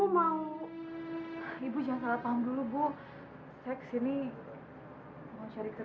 bisa bisa si bapak kegait lagi sama dia